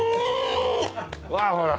うわっほら。